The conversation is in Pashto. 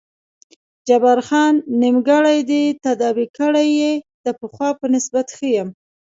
جبار خان: نیمګړی دې تداوي کړی یې، د پخوا په نسبت ښه یم.